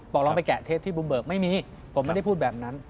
ลองไปแกะเทปที่บุมเบิกไม่มีผมไม่ได้พูดแบบนั้น